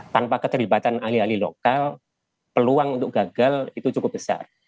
karena terlibatkan ahli ahli lokal peluang untuk gagal itu cukup besar